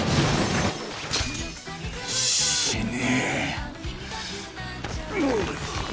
死ね！